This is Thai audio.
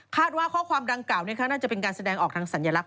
ว่าข้อความดังเก่าน่าจะเป็นการแสดงออกทางสัญลักษ